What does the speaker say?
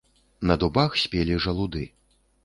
На дубах спелі жалуды.